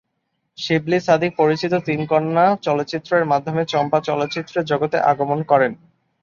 শিবলী সাদিক পরিচালিত "তিন কন্যা" চলচ্চিত্রের মাধ্যমে চম্পা চলচ্চিত্রের জগতে আগমন করেন।